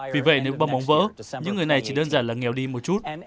vì vậy nếu bong bóng vỡ những người này chỉ đơn giản là nghèo đi một chút